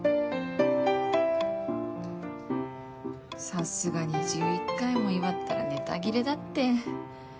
さすがに１１回も祝ったらネタ切れだって。